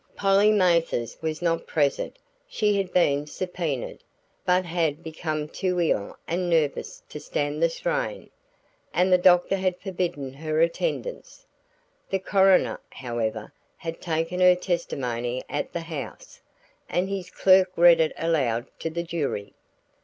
Polly Mathers was not present. She had been subpoenaed, but had become too ill and nervous to stand the strain, and the doctor had forbidden her attendance. The coroner, however, had taken her testimony at the house, and his clerk read it aloud to the jury.